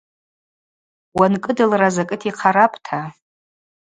Уанкӏыдылра закӏыта йхъарапӏта.